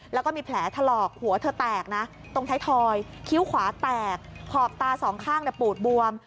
แล้วก็มีแผลถลอกหัวเธอแตกนะตรงท้ายทอยคิ้วขวาแตกขอบตาสองข้างปูดบวม